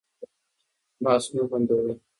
بحث مه بندوئ.